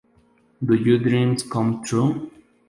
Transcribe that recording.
Do You Dreams Come True?